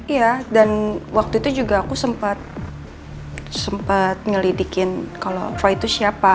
iya dan waktu itu juga aku sempat nyelidikin kalau froy itu siapa